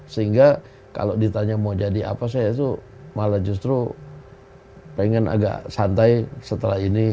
sehingga kalau ditanya mau jadi apa saya itu malah justru pengen agak santai setelah ini